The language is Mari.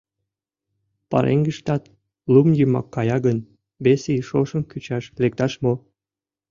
Пареҥгыштат лум йымак кая гын, вес ий шошым кӱчаш лекташ мо?